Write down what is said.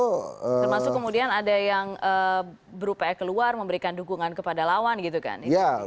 termasuk kemudian ada yang berupaya keluar memberikan dukungan kepada lawan gitu kan